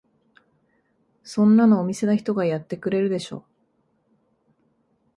そんなのお店の人がやってくれるでしょ。